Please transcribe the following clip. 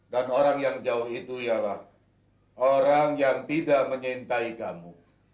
dan orang yang jauh itu ialah orang yang tidak menyintai kamu